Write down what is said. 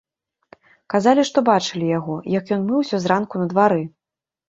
Казалі, што бачылі яго, як ён мыўся зранку на двары.